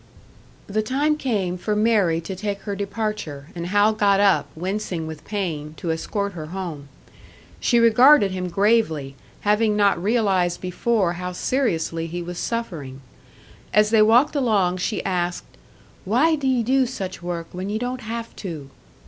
The time came for Mary to take her departure, and Hal got up, wincing with pain, to escort her home. She regarded him gravely, having not realised before how seriously he was suffering. As they walked along she asked, "Why do ye do such work, when ye don't have to?"